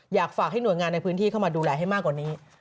อยากฝากให้หน่วยงานในพื้นที่เข้ามาดูแลให้มากกว่านี้